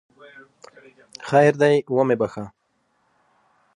خیر دی ومې بخښه!